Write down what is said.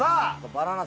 バナナ